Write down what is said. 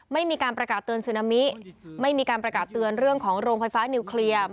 ไม่มีการประกาศเตือนซึนามิไม่มีการประกาศเตือนเรื่องของโรงไฟฟ้านิวเคลียร์